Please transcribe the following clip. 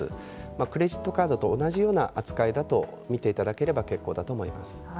クレジットカードと同じような扱いだと見ていただければ結構です。